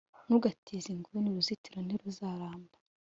Ntugashyire inguni uruzitiro ntiruzaramba